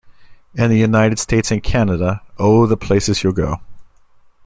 In the United States and Canada, Oh, the Places You'll Go!